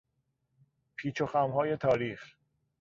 پیچ و خمهای تاریخ